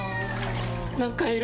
何かいる！